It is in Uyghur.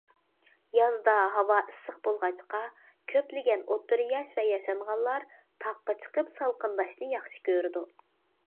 يازدا ھاۋا ئىسسىق بولغاچقا، كۆپلىگەن ئوتتۇرا ياش ۋە ياشانغانلار تاغقا چىقىپ سالقىنداشنى ياخشى كۆرىدۇ.